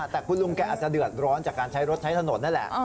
แต่คุณลุงแกอาจจะเดือดร้อนจากการใช้รถใช้ถนนนั่นแหละ